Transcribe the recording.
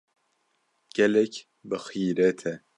Gelek bixîret e.